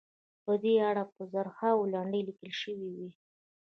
په دې اړه به زرهاوو لنډۍ لیکل شوې وي.